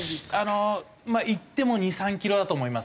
あのいっても２３キロだと思います。